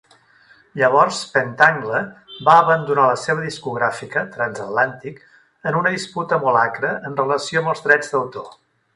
Llavors, Pentangle va abandonar la seva discogràfica, Transatlantic, en una disputa molt acre en relació amb els drets d'autor.